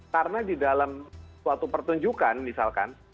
karena di dalam suatu pertunjukan misalkan